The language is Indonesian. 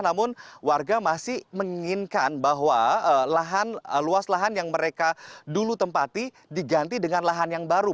namun warga masih menginginkan bahwa luas lahan yang mereka dulu tempati diganti dengan lahan yang baru